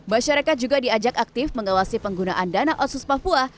masyarakat juga diajak aktif mengawasi penggunaan dana otsus papua